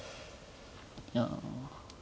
いや。